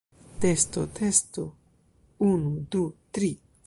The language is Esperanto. Testo testo, unu, du, tri.